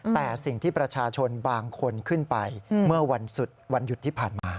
แต่สิ่งที่ประชาชนบางคนขึ้นไปเมื่อวันหยุดที่ผ่านมา